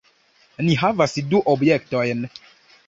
Ni havas du objektojn.